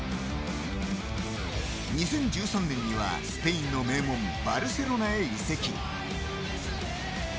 ２０１３年にはスペインの名門バルセロナへ移籍。